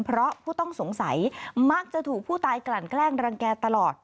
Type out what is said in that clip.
เพราะผู้ต้องสงสัยมักจะถูกผู้ตายกลั่นแกล้งรังแก่ตลอด